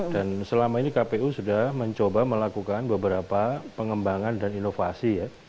dan selama ini kpu sudah mencoba melakukan beberapa pengembangan dan inovasi ya